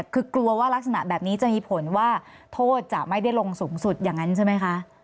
คือกลัวว่ารักษณะแบบนี้จะมีผลว่าโทษจะไม่ได้ลงสูงสุดอย่างนั้นใช่ไหมคะ